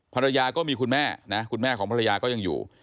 ภรรยาก็มีคุณแม่นะคุณแม่ของภรรยาก็ยังอยู่